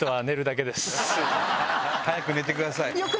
早く寝てください。